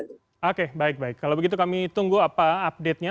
oke baik baik kalau begitu kami tunggu apa update nya